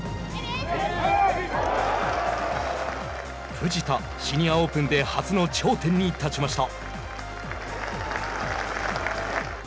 藤田、シニアオープンで初の頂点に立ちました。